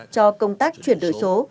cho công tác chuyển đổi số